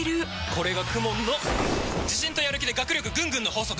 これがＫＵＭＯＮの自信とやる気で学力ぐんぐんの法則！